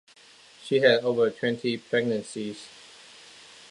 She had over twenty pregnancies.